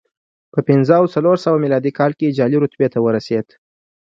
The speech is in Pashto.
په پنځه او څلور سوه میلادي کال کې جالۍ رتبې ته ورسېد